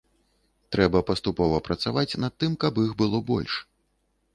Трэба паступова працаваць над тым, каб іх было больш.